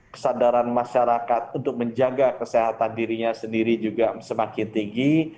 kesadaran masyarakat untuk menjaga kesehatan dirinya sendiri juga semakin tinggi